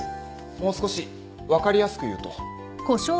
もう少し分かりやすく言うと？